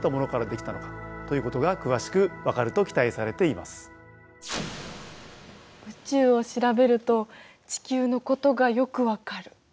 つまり宇宙を調べると地球のことがよく分かる。